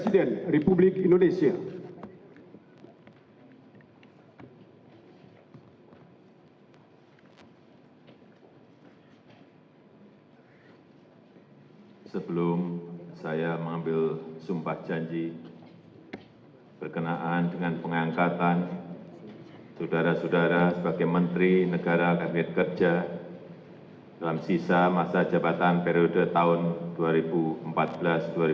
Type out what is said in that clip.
dan kepala badan koordinasi penanaman modal